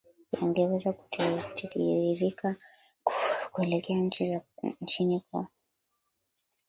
yangeweza kutiririka kuelekea nchi za chini kwa